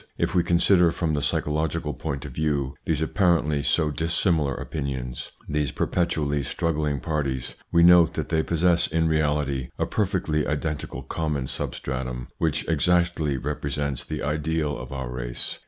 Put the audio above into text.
If we consider from the psycho logical point of view these apparently so dissimilar opinions, these perpetually struggling parties, we note that they possess in reality a perfectly identical common substratum which exactly represents the ideal of our race.